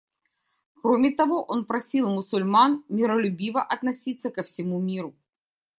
Кроме того, он просил мусульман миролюбиво относиться ко всему миру.